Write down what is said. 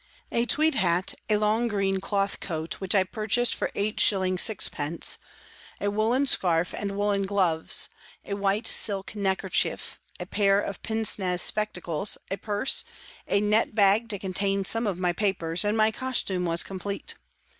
A tweed hat, a long green cloth coat, which I purchased for 8s. 6d!., a woollen scarf and woollen gloves, a white silk neck kerchief, a pair of pince nez spectacles, a purse, a net bag to contain some of my papers, and my costume was complete.